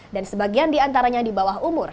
dan sebagian diantaranya di bawah umur